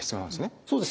そうですね。